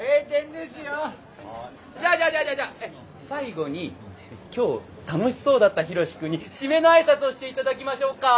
じゃあじゃあじゃあじゃあじゃあ最後に今日楽しそうだったヒロシ君に締めの挨拶をして頂きましょうか。